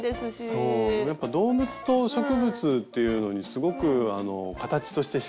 そうやっぱ動物と植物っていうのにすごくあの形としてひかれるので。